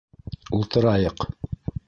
- Ултырайыҡ.